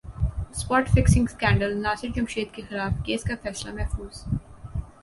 spot fixing اسکینڈلناصر Jamshed کیخلاف case کا فیصلہ محفوظ